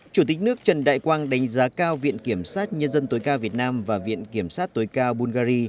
chủ tịch nước trần đại quang đánh giá cao viện kiểm sát nhân dân tối cao việt nam và viện kiểm sát tối cao bungary